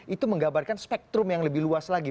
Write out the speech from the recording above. itu menggambarkan spektrum yang lebih luas lagi